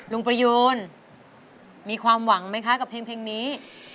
ประยูนมีความหวังไหมคะกับเพลงนี้